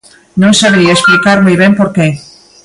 Non sabería explicar moi ben por que.